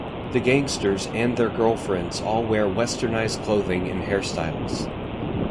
The gangsters and their girlfriends all wear Westernized clothing and hairstyles.